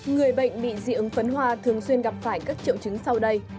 người bệnh bị dị ứng phấn hoa thường xuyên gặp phải các triệu chứng sau đây